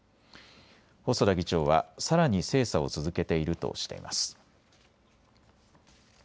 細田議長はさらに精査を続けているとしています。